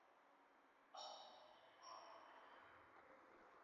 Text-based ads were displayed when viewing results for several types of Internet searches.